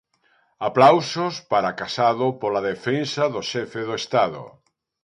Aplausos para Casado pola defensa do xefe do Estado.